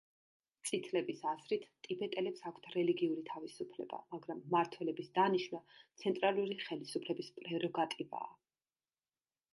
წითლების აზრით, ტიბეტელებს აქვთ რელიგიური თავისუფლება, მაგრამ მმართველების დანიშვნა ცენტრალური ხელისუფლების პრეროგატივაა.